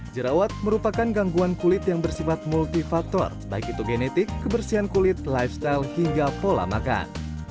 jerawat merupakan gangguan kulit yang bersifat multifaktor baik itu genetik kebersihan kulit lifestyle hingga pola makan